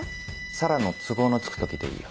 紗良の都合のつく時でいいよ。